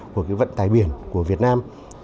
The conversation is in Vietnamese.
của cái vận tải biển của việt nam